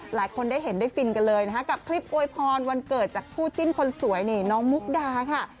หลายคนได้เห็นได้ฟินกันเลยนะคะกับคลิปอวยพรวันเกิดจากคู่จิ้นคนสวยนี่น้องมุกดาค่ะ